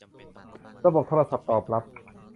ระบบโทรศัพท์ตอบรับ